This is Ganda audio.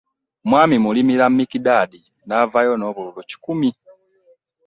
Mwami Mulimira Micdad n'avaayo n'obululu kikumi